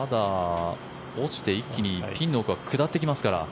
落ちて一気にピンの奥は下ってきますから。